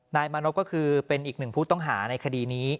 นายมานพก็คือเป็นอีกหนึ่งผู้ต้องหาในคดีนี้